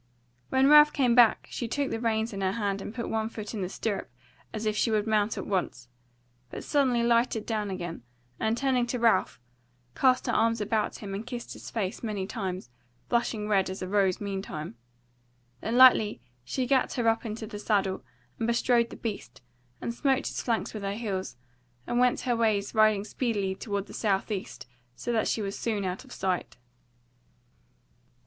When Ralph came back she took the reins in her hand and put one foot in the stirrup as if she would mount at once; but suddenly lighted down again, and turning to Ralph, cast her arms about him, and kissed his face many times, blushing red as a rose meantime. Then lightly she gat her up into the saddle, and bestrode the beast, and smote his flanks with her heels, and went her ways riding speedily toward the south east, so that she was soon out of sight.